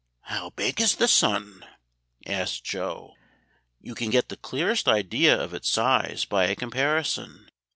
"How big is the sun?" asked Joe. "You can get the clearest idea of its size by a comparison.